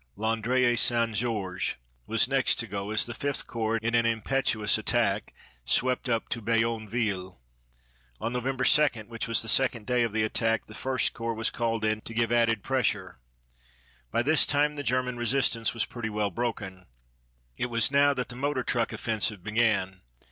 Landres et St. Georges was next to go, as the Fifth Corps, in an impetuous attack, swept up to Bayonville. On November 2, which was the second day of the attack, the First Corps was called in to give added pressure. By this time the German resistance was pretty well broken. It was now that the motor truck offensive began.